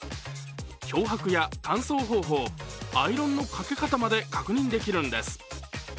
漂泊や乾燥方法、アイロンのかけ方まで確認できるんです。